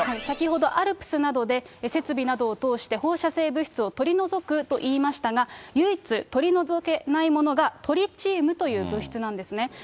先ほどＡＬＰＳなどで設備などを通して放射性物質を取り除くと言いましたが、唯一、取り除けないものがトリチウムという物質なんですね。